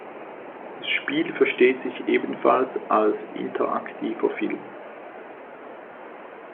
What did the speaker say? Das Spiel versteht sich ebenfalls als interaktiver Film.